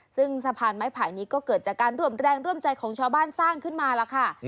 ซึ่งสะพานไม้ไผ่นี้ก็เกิดจากการร่วมแรงร่วมใจของชาวบ้านสร้างขึ้นมาล่ะค่ะ